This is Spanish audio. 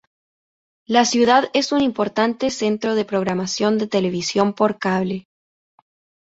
La ciudad es un importante centro de programación de televisión por cable.